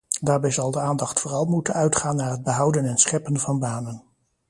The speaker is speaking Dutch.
Daarbij zal de aandacht vooral moeten uitgaan naar het behouden en scheppen van banen.